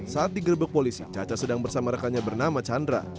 saat digerebek polisi caca sedang bersama rekannya bernama chandra